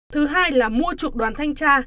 thứ hai là mua chuộc đoàn thanh tra